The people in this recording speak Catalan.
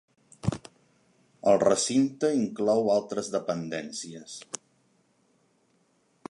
El recinte inclou altres dependències.